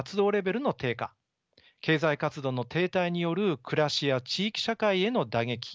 経済活動の停滞による暮らしや地域社会への打撃。